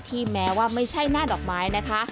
แม้ว่าไม่ใช่หน้าดอกไม้นะคะ